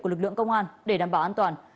của lực lượng công an để đảm bảo an toàn